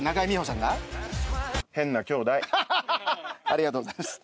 ありがとうございます。